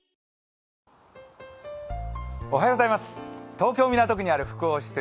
東京・港区にある複合施設